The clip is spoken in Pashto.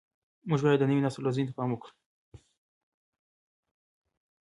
موږ باید د نوي نسل روزنې ته پام وکړو.